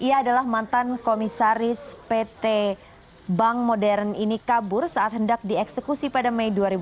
ia adalah mantan komisaris pt bank modern ini kabur saat hendak dieksekusi pada mei dua ribu tujuh belas